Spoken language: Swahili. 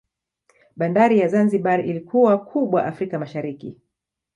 Bandari ya Zanzibar ilikuwa kubwa Afrika Mashariki